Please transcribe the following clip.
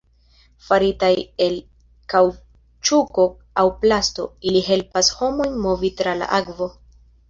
Faritaj el kaŭĉuko aŭ plasto, ili helpas homojn movi tra la akvo.